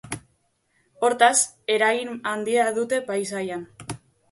Hortaz, eragin handia dute paisaian.